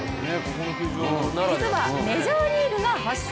実はメジャーリーグが発祥。